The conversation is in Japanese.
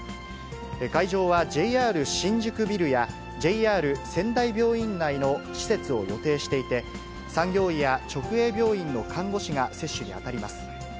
会場は、ＪＲ新宿ビルやＪＲ仙台病院内の施設を予定していて、産業医や直営病院の看護師が接種に当たります。